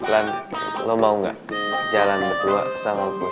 lan lo mau gak jalan dua sama gue